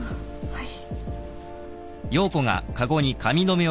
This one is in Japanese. はい。